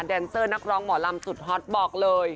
แนนเซอร์นักร้องหมอลำสุดฮอตบอกเลย